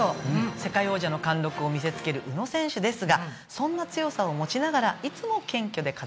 世界王者の貫禄を見せつける宇野選手ですがそんな強さを持ちながらいつも謙虚で飾らない性格。